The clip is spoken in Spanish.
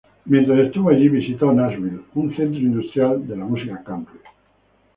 Mientras estuvo allí, visitó Nashville, un centro industrial de la música country.